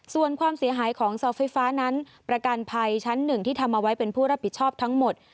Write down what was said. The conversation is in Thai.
ส่วนความเสียหายของเสาไฟฟ้านั้นประกันภัยชั้นหนึ่งที่ทำเอาไว้เป็นผู้รับผิดชอบทั้งหมด